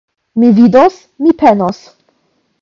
Mi vidos, mi penos.